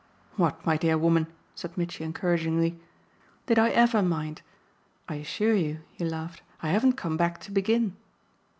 "What, my dear woman," said Mitchy encouragingly, "did I EVER mind? I assure you," he laughed, "I haven't come back to begin!"